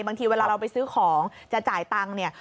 บางทีเวลาเราไปซื้อของจะจ่ายตังค์เนี่ย